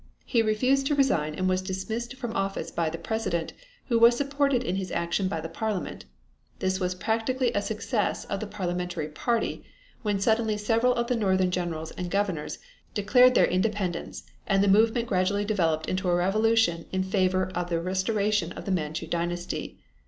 He refused to resign and was dismissed from office by the President, who was supported in his action by the Parliament. This was practically a success of the Parliamentary party, when suddenly several of the northern generals and governors declared their independence, and the movement gradually developed into a revolution in favor of the restoration of the Manchu Dynasty.